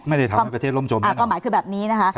ไม่ได้ทำให้ประเทศร่มจมเป้าหมายคือแบบนี้นะคะ